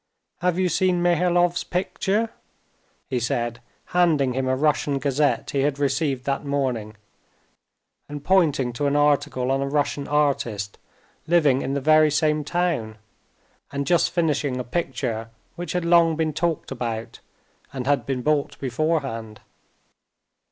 "Have you seen Mihailov's picture?" he said, handing him a Russian gazette he had received that morning, and pointing to an article on a Russian artist, living in the very same town, and just finishing a picture which had long been talked about, and had been bought beforehand.